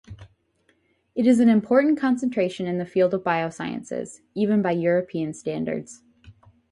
It is an important concentration in the field of biosciences, even by European standards.